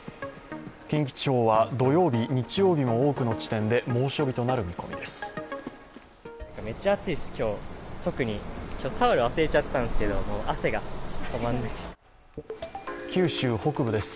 近畿地方は土曜日、日曜日も多くの地点で猛暑日となる見込みです。